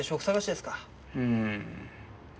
うん。